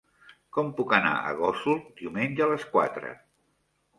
Com puc anar a Gósol diumenge a les quatre?